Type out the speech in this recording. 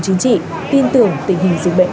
chính trị tin tưởng tình hình dịch bệnh